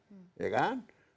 bahwa ini tidak independen lagi